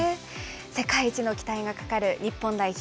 世界一の期待がかかる日本代表。